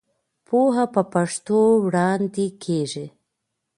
پوهه په پښتو وړاندې کېږي.